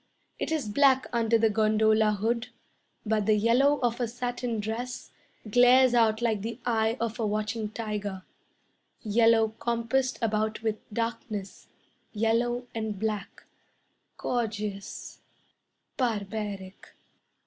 It is black under the gondola hood, But the yellow of a satin dress Glares out like the eye of a watching tiger. Yellow compassed about with darkness, Yellow and black, Gorgeous barbaric.